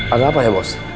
ada apa ya bos